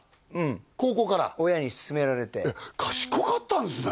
高校から親に勧められて賢かったんですね